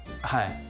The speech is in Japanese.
はい。